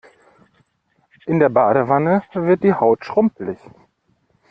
In der Badewanne wird die Haut schrumpelig.